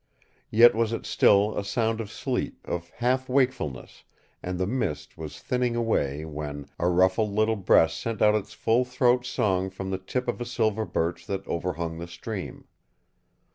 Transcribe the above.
Yet was it still a sound of sleep, of half wakefulness, and the mist was thinning away when, a ruffled little breast sent out its full throat song from the tip of a silver birch that overhung the stream.